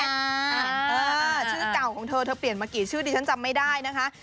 ชื่อเก่าของเธอเธอเปลี่ยนมากี่ชื่อดิฉันจำไม่ได้นะคะ